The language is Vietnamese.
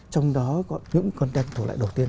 trong đó có những con tem thủ lại đầu tiên